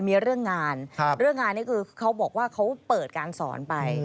มีเรื่องงานเรื่องงานนี่คือเขาบอกว่าเขาเปิดการสอนไป